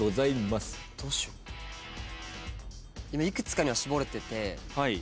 いくつかには絞れてて。